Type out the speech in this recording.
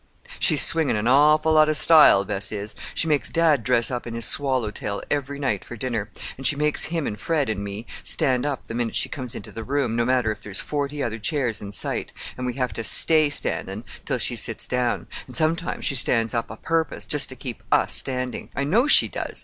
"She's swingin' an awful lot of style—Bess is. She makes dad dress up in his swallow tail every night for dinner. An' she makes him and Fred an' me stand up the minute she comes into the room, no matter if there's forty other chairs in sight; an' we have to stay standin' till she sits down—an' sometimes she stands up a purpose, just to keep us standing. I know she does.